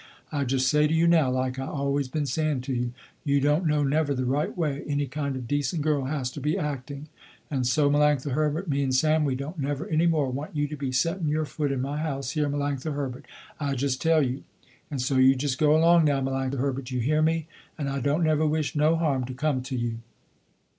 I just say to you now, like I always been saying to you, you don't know never the right way, any kind of decent girl has to be acting, and so Melanctha Herbert, me and Sam, we don't never any more want you to be setting your foot in my house here Melanctha Herbert, I just tell you. And so you just go along now, Melanctha Herbert, you hear me, and I don't never wish no harm to come to you."